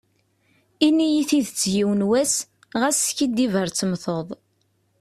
Ini-yi tidet yiwen was, ɣas skiddib ar temteḍ.